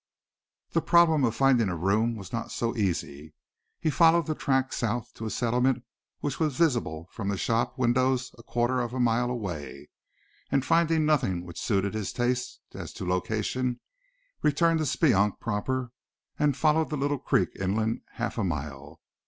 The problem of finding a room was not so easy. He followed the track south to a settlement which was visible from the shop windows a quarter of a mile away, and finding nothing which suited his taste as to location, returned to Speonk proper and followed the little creek inland half a mile.